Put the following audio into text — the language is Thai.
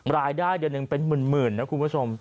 รายได้เดือนหนึ่งเป็นหมื่นนะคุณผู้ชม